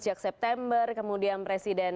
sejak september kemudian presiden